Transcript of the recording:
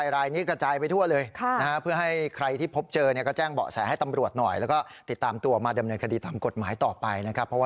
แล้วผู้หญิงก็กระโดดออกมานะ